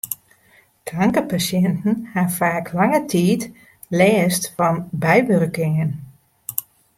Kankerpasjinten ha faak lange tiid lêst fan bywurkingen.